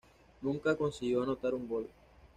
Nunca consiguió anotar un gol.